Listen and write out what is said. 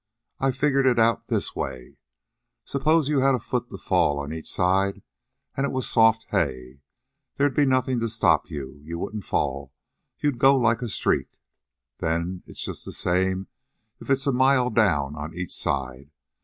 I figured it out this way: Suppose you had a foot to fall on each side, an' it was soft hay. They'd be nothing to stop you. You wouldn't fall. You'd go like a streak. Then it's just the same if it's a mile down on each side.